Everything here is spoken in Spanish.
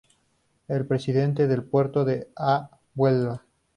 Fue Presidente del Puerto de Huelva.